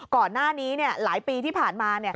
ก่อนหน้านี้หลายปีที่ผ่านมา